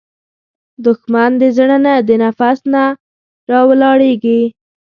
دښمن د زړه نه، د نفس نه راولاړیږي